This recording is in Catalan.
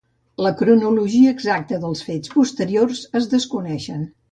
La cronologia exacta dels fets posteriors es desconeix.